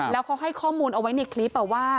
แล้วเขาให้ข้อมูลเอาไว้ในคลิปว่า